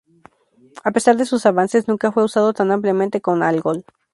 A pesar de sus avances, nunca fue usado tan ampliamente con Algol.